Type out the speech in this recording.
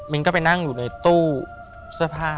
ก็ไปนั่งอยู่ในตู้เสื้อผ้า